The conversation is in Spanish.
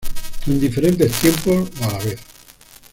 En diferentes tiempos o a la vez.